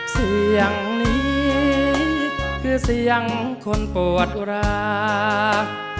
เสียงนี้คือเสียงคนโปรดรัก